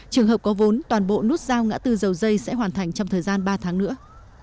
trường hợp có vốn toàn bộ nút giao ngã tư dầu dây sẽ hoàn thành trong thời gian ba tháng nữa